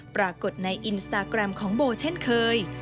ปรากฏในอินสตาแกรมของโบเช่นเคย